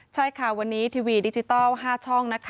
ใช่ค่ะวันนี้ทีวีดิจาล๕ช่อง